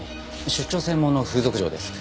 出張専門の風俗嬢です。